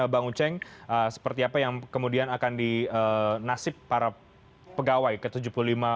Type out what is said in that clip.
bang uceng seperti apa yang kemudian akan dinasib para pegawai ke tujuh puluh lima pegawai kpk ini